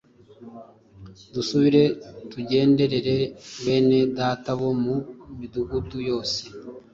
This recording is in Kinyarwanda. Dusubire tugenderere bene Data bo mu midugudu yose,